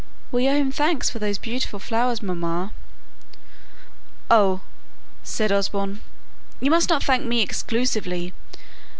"We owe him thanks for those beautiful flowers, mamma." "Oh!" said Osborne, "you must not thank me exclusively.